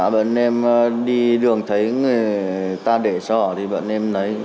bạn em đi đường thấy người ta để xóa thì bạn em lấy